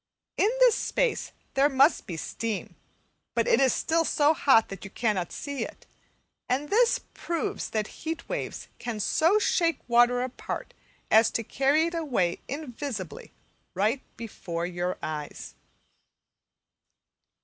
In this space there must be steam, but it is still so hot that you cannot see it; and this proves that heat waves can so shake water apart as to carry it away invisibly right before your eyes.